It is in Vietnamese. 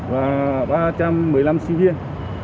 và ba trăm một mươi năm sinh viên